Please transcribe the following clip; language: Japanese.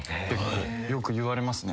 よく言われますね